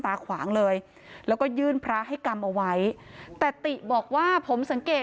ขวางเลยแล้วก็ยื่นพระให้กรรมเอาไว้แต่ติบอกว่าผมสังเกต